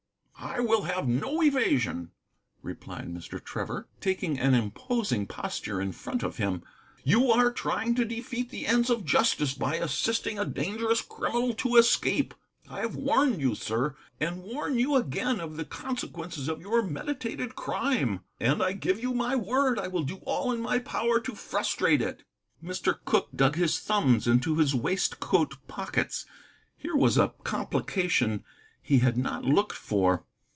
"I will have no evasion," replied Mr. Trevor, taking an imposing posture in front of him. "You are trying to defeat the ends of justice by assisting a dangerous criminal to escape. I have warned you, sir, and warn you again of the consequences of your meditated crime, and I give you my word I will do all in my power to frustrate it." Mr. Cooke dug his thumbs into his waistcoat pockets. Here was a complication he had not looked for.